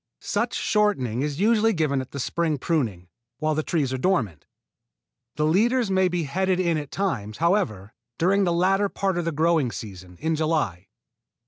Such shortening is usually given at the spring pruning, while the trees are dormant. The leaders may be headed in at times, however, during the latter part of the growing season, in July.